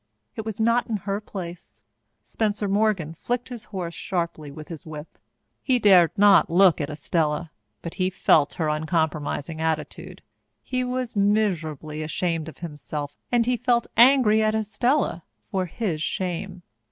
It was not in her place. Spencer Morgan flicked his horse sharply with his whip. He dared not look at Estella, but he felt her uncompromising attitude. He was miserably ashamed of himself, and he felt angry at Estella for his shame.